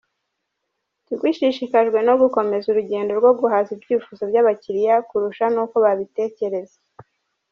Tigo ishishikajwe no gukomeza urugendo rwo guhaza ibyifuzo by’abakiliya kurusha n’uko babitekereza.